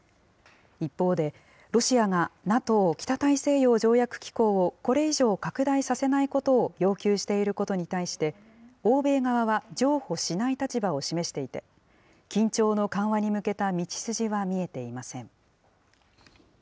一方で、ロシアがＮＡＴＯ・北大西洋条約機構をこれ以上拡大させないことを要求していることに対して、欧米側は譲歩しない立場を示していて、緊張の緩和に向けた道筋は見えていません。